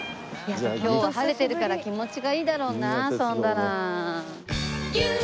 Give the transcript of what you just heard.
いや今日は晴れてるから気持ちがいいだろうな遊んだら。